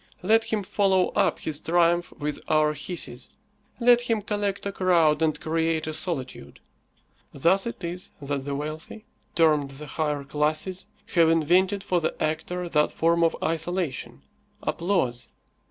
Let him follow up his triumph with our hisses. Let him collect a crowd and create a solitude. Thus it is that the wealthy, termed the higher classes, have invented for the actor that form of isolation, applause.